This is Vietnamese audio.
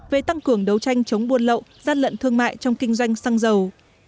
về tăng cường đấu tranh chống buôn lậu gian lận thương mại trong kinh doanh xăng dầu